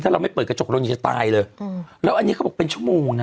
ถ้าเราไม่เปิดกระจกเรายังจะตายเลยแล้วอันนี้เขาบอกเป็นชั่วโมงนะ